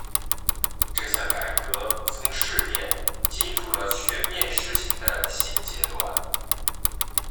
这项改革从试点进入了全面实行的新阶段。